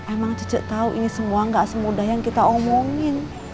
emang cice tahu ini semua gak semudah yang kita omongin